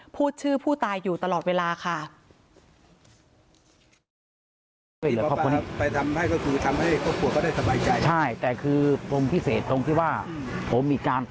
พูดชื่อผู้ตายอยู่ตลอดเวลาค่ะ